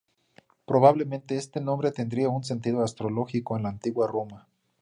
Probablemente, este nombre tendría un sentido astrológico en la antigua Roma.